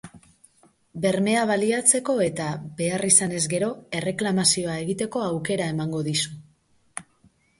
Bermea baliatzeko eta, behar izanez gero, erreklamazioa egiteko aukera emango dizu.